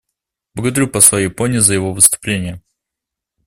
Благодарю посла Японии за его выступление.